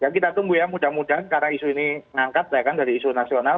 kita tunggu ya mudah mudahan karena isu ini mengangkat dari isu nasional